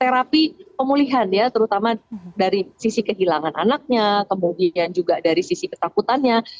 terapi pemulihan ya terutama dari sisi kehilangan anaknya kemudian juga dari sisi ketakutannya